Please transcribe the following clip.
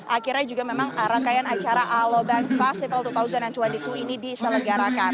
akhirnya juga memang rangkaian acara alobank festival dua ribu dua puluh dua ini diselenggarakan